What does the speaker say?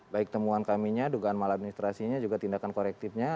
baik temuan kami nya dugaan maladministrasinya juga tindakan korektifnya